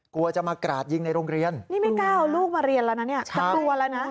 กลัวจะมากราดยิงในโรงเรียนนี่ไม่กล้าเอาลูกมาเรียนแล้วนะเนี่ยจะกลัวแล้วนะ